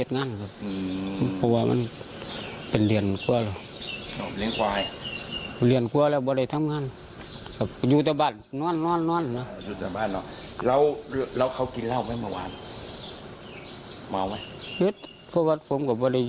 งานทำงานไหม